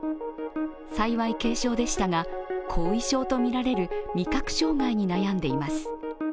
幸い軽症でしたが、後遺症とみられる味覚障害に悩んでいます。